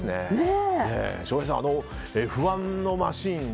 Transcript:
翔平さん、Ｆ１のマシン。